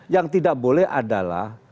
yang tidak boleh adalah